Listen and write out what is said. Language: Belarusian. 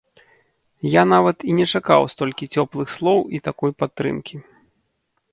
Я нават і не чакаў столькі цёплых слоў і такой падтрымкі.